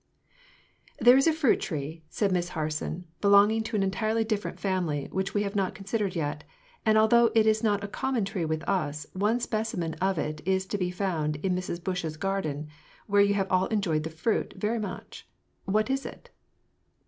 "There is a fruit tree," said Miss Harson, "belonging to an entirely different family, which we have not considered yet; and, although it is not a common tree with us, one specimen of it is to be found in Mrs. Bush's garden, where you have all enjoyed the fruit very much. What is it?"